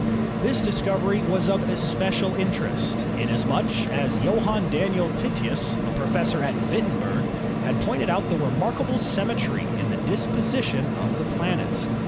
This discovery was of especial interest, inasmuch as Johann Daniel Titius (? i796), a professor at Wittenberg, had pointed out the remarkable symmetry in the disposi tion of the planets.